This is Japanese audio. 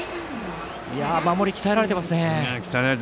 鍛えられていますね。